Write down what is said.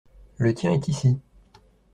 Le tien est ici.